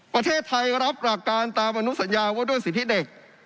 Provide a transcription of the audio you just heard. ประเทศไทยรับหลักการตามอนุสัญญาว่าด้วยสิทธิเด็ก